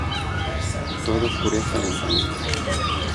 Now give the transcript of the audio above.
todo oscurece lentamente: